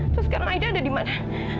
terus sekarang aida ada di mana